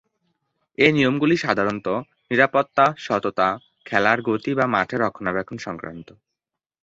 এই নিয়মগুলি সাধারণতঃ নিরাপত্তা, সততা, খেলার গতি বা মাঠের রক্ষণাবেক্ষণ সংক্রান্ত।